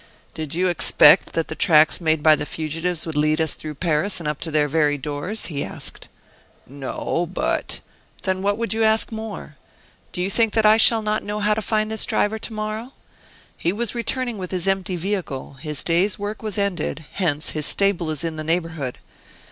"Did you expect that the tracks made by the fugitives would lead us through Paris and up to their very doors?" he asked. "No; but " "Then what would you ask more? Do you think that I shall not know how to find this driver to morrow? He was returning with his empty vehicle, his day's work was ended; hence, his stable is in the neighborhood.